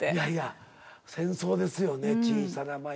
いやいや戦争ですよね小さな。